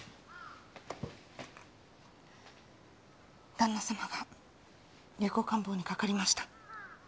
旦那様が流行感冒にかかりました。